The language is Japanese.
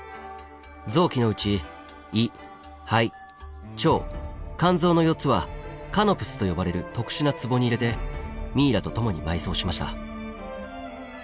臓器のうち胃肺腸肝臓の４つはカノプスと呼ばれる特殊なつぼに入れてミイラと共に埋葬しました。